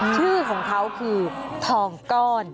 ชื่อของเขาคือทองก้อน